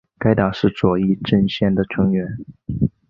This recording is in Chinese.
该党是左翼阵线的成员。